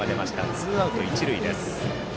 ツーアウト、一塁です。